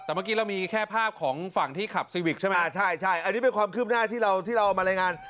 แต่เมื่อกี้เรามีแค่ภาพของฝั่งที่ขับซีวิกใช่ไหมใช่ใช่อันนี้เป็นความคืบหน้าที่เราที่เราเอามารายงาน